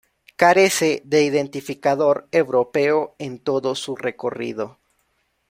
Carece de identificador europeo en todo su recorrido.